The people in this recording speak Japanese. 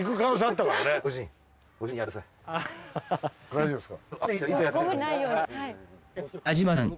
肩大丈夫ですか？